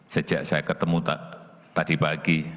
sejak saya ketemu tadi pagi